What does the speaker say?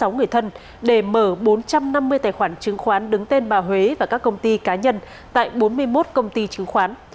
sáu người thân để mở bốn trăm năm mươi tài khoản chứng khoán đứng tên bà huế và các công ty cá nhân tại bốn mươi một công ty chứng khoán